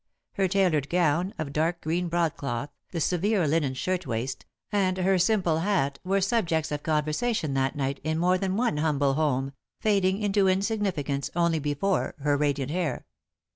Her tailored gown, of dark green broadcloth, the severe linen shirtwaist, and her simple hat, were subjects of conversation that night in more than one humble home, fading into insignificance only before her radiant hair.